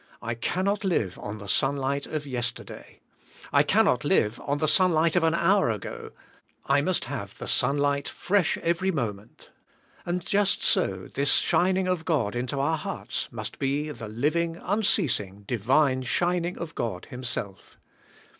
I cannot live on the sunlight of yesterday, I cannot live on the sunlig ht of an hour ag"0. I must have the sunlight fresh every moment. And just so this shining" of God into our hearts must be the livings unceasing^ divine shining" of God Himself.